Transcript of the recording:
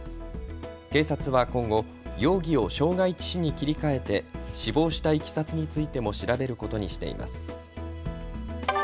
警察は今後、容疑を傷害致死に切り替えて死亡したいきさつについても調べることにしています。